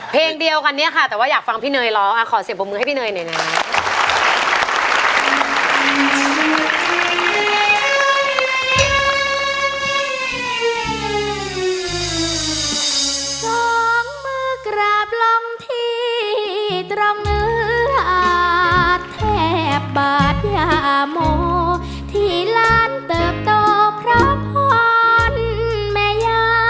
เพลงเดียวกันเนี่ยค่ะแต่ว่าอยากฟังพี่เนยร้องขอเสียงบมมือให้พี่เนยหน่อยหนึ่ง